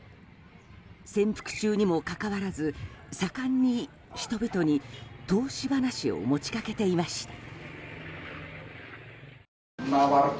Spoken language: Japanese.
潜伏中にもかかわらず盛んに人々に投資話を持ち掛けていました。